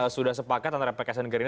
sudah sepakat antara pks dan gerindra